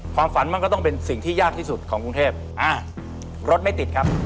ความฝันมันก็ต้องเป็นสิ่งที่ยากที่สุดของกรุงเทพอ่ารถไม่ติดครับ